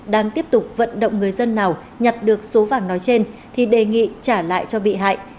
đang tiếp tục vận động người dân nào nhặt được số vàng nói trên thì đề nghị trả lại cho bị hại